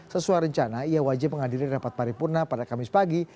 sesuai rencana ia wajib menghadiri rapat paripurna pada kamis pagi